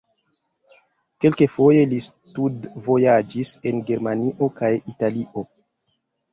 Kelkfoje li studvojaĝis en Germanio kaj Italio.